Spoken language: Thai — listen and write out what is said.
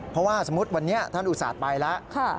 เพราะว่าสมมุติวันนี้ท่านอุตส่าห์ไปแล้ว